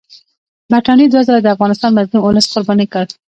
برټانیې دوه ځله د افغانستان مظلوم اولس قرباني کړ.